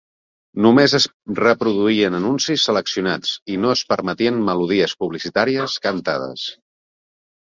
Només es reproduïen anuncis seleccionats i no es permetien melodies publicitàries cantades.